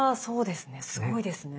すごいですね。